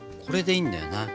これでいいんだよな？